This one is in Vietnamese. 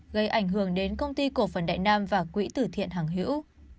gây ảnh hưởng đến công ty cổ phần đại nam và quỹ tử thiện hằng hiễu